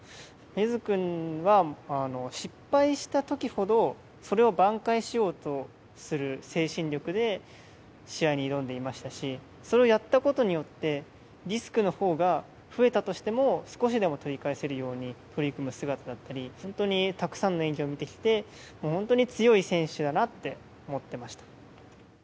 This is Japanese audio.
ゆづ君は、失敗したときほど、それをばん回しようとする精神力で、試合に挑んでいましたし、それをやったことによって、リスクのほうが増えたとしても、少しでも取り返せるように取り組む姿だったり、本当にたくさんの演技を見てきて、もう本当に強い選手だなって思ってました。